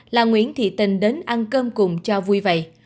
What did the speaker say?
là nguyễn thị tình đến ăn cơm cùng cho vui vậy